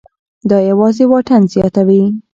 دا یوازې واټن زیاتوي.